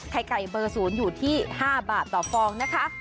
ไข่ไก่เบอร์๐อยู่ที่๕บาทต่อฟองนะคะ